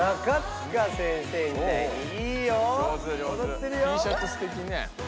ティーシャツすてきね。